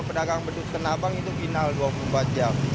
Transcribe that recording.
pedagang beduk tanah abang itu final dua puluh empat jam